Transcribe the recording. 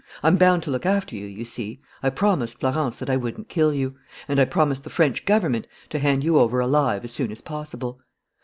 I'm bound to look after you, you see. I promised Florence that I wouldn't kill you; and I promised the French Government to hand you over alive as soon as possible.